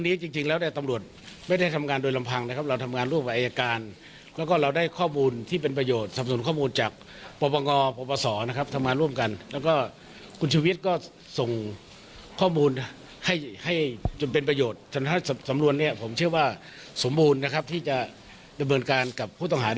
มีเรื่องมากต่อไปข้อส่วนสามารถทำได้นะครับ